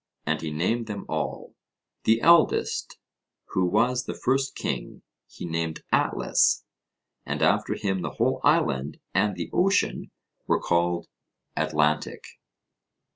And he named them all; the eldest, who was the first king, he named Atlas, and after him the whole island and the ocean were called Atlantic.